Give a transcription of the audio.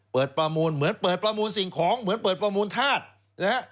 ประมูลเหมือนเปิดประมูลสิ่งของเหมือนเปิดประมูลธาตุนะฮะ